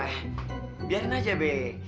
eh biarin aja be